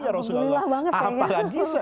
ya rasulullah alhamdulillah banget ya apalagi